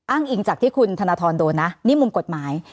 อิงจากที่คุณธนทรโดนนะนี่มุมกฎหมาย